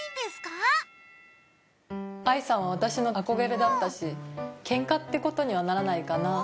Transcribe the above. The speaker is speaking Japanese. あいさんは私の憧れだったしけんかってことにはならないかな。